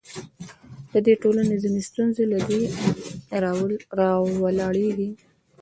د دې ټولنو ځینې ستونزې له دې راولاړېږي.